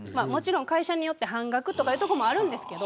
会社によって半額というところもありますけど。